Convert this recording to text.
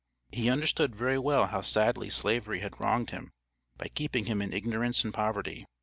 He understood very well how sadly Slavery had wronged him by keeping him in ignorance and poverty.